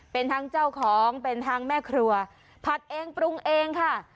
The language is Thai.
เป็นทั้งเจ้าของเป็นทั้งแม่ครัวผัดเองปรุงเองค่ะ